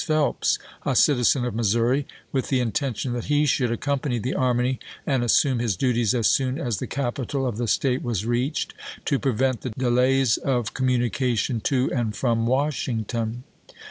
Phelps, a citizen of Missouri, with the intention that he should accompany the army and assume his duties as soon as the capital of the State was reached, to prevent the delays of com munication to and from Washington.